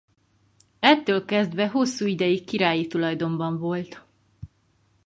Ettől kezdve hosszú ideig királyi tulajdonban volt.